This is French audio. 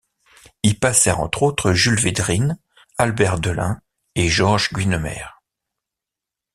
Y passèrent entre autres Jules Védrines, Albert Deullin et Georges Guynemer.